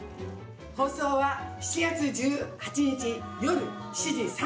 放送は７月１８日夜７時３０分です。